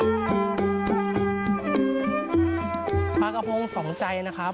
การทอดของเรานะครับเน้นแหละปลาต้องสดนะครับ